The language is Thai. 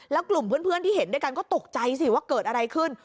แล้วกลุ่มเพื่อนที่เห็นด้วยกันก็ตกใจสิว่าเกิดอะไรขึ้น